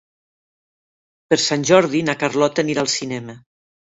Per Sant Jordi na Carlota anirà al cinema.